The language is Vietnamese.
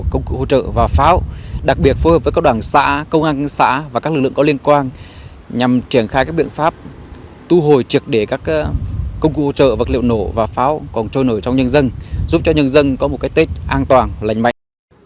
công cụ hỗ trợ và pháo đặc biệt phối hợp với các đoàn xã công an xã và các lực lượng có liên quan nhằm triển khai các biện pháp tu hồi trực để các công cụ hỗ trợ vật liệu nổ và pháo còn trôi nổi trong nhân dân giúp cho nhân dân có một cái tết an toàn lành mạnh